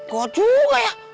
gue juga ya